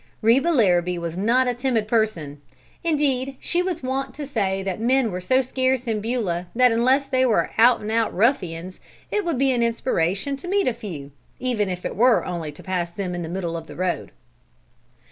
Reba Larrabee was not a timid person; indeed, she was wont to say that men were so scarce in Beulah that unless they were out and out ruffians it would be an inspiration to meet a few, even if it were only to pass them in the middle of the road.